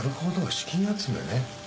資金集めね。